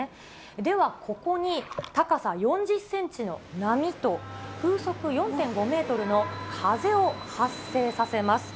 ではここに、高さ４０センチの波と風速４．５メートルの風を発生させます。